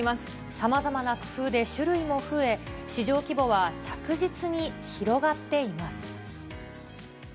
さまざまな工夫で種類も増え、市場規模は着実に広がっています。